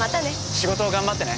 仕事頑張ってね。